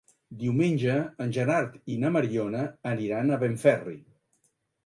Diumenge en Gerard i na Mariona aniran a Benferri.